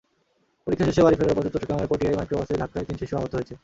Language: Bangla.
পরীক্ষা শেষে বাড়ি ফেরার পথে চট্টগ্রামের পটিয়ায় মাইক্রোবাসের ধাক্কায় তিন শিশু আহত হয়েছে।